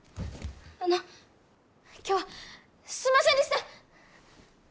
あの今日はすんませんでした！